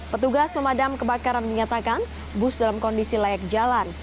petugas pemadam kebakaran menyatakan bus dalam kondisi layak jalan